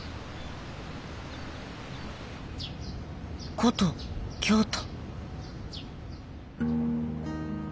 古都京都。